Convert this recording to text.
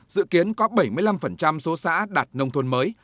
dự kiến có bảy mươi năm số xã đạt nông thôn mới